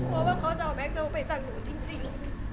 กลัวว่าเขาจะเอาแม็กโจงไปจากหนูจริง